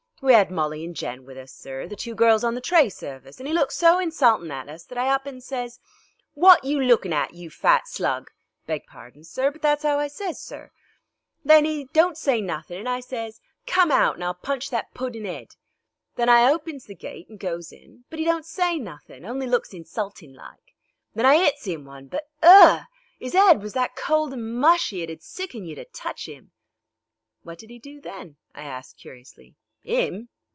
We 'ad Molly and Jen with us, sir, the two girls on the tray service, an' 'e looks so insultin' at us that I up and sez: 'Wat you looking hat, you fat slug?' beg pardon, sir, but that's 'ow I sez, sir. Then 'e don't say nothin' and I sez: 'Come out and I'll punch that puddin' 'ed.' Then I hopens the gate an' goes in, but 'e don't say nothin', only looks insultin' like. Then I 'its 'im one, but, ugh! 'is 'ed was that cold and mushy it ud sicken you to touch 'im." "What did he do then?" I asked curiously. "'Im?